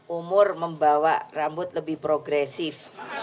umur membawa rambut lebih progresif